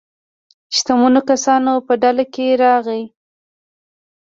شتمنو کسانو په ډله کې راغی.